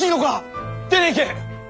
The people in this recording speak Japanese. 出ていけ！